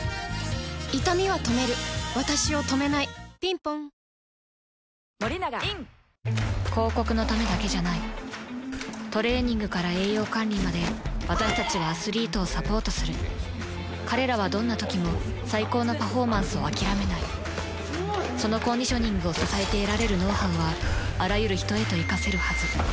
いたみは止めるわたしを止めないぴんぽん広告のためだけじゃないトレーニングから栄養管理まで私たちはアスリートをサポートする彼らはどんなときも最高のパフォーマンスを諦めないそのコンディショニングを支えて得られるノウハウはあらゆる人へといかせるはず